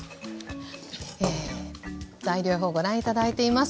材料表ご覧頂いています。